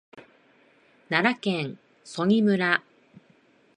奈良県曽爾村